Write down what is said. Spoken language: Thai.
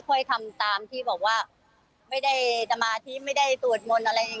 ทำตามที่บอกว่าไม่ได้สมาธิไม่ได้สวดมนต์อะไร